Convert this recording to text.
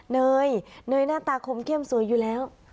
เนยเนยหน้าตาคมเข้มสวยอยู่แล้ว